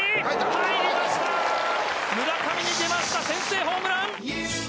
先制ホームラン。